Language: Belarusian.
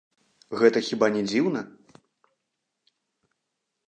Гэта хіба не дзіўна?